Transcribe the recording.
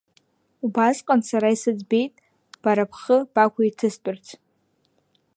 Убасҟан сара исыӡбеит бара бхы бакәиҭыстәырц.